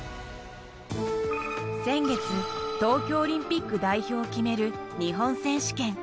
先月、東京オリンピック代表を決める日本選手権。